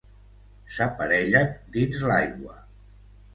S'aparellen dins l'aigua.